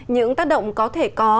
những tác động có thể có